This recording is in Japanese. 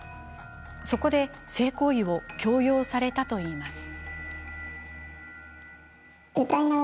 そこで性行為を強要されたといいます。